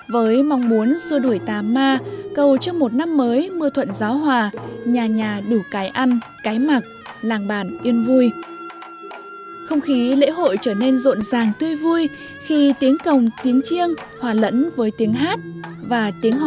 với mong muốn xua đuổi ta ma cầu trước một năm mới mưa rơi bà con lại chọn làm ngày đẹp để tổ chức hội công chiêng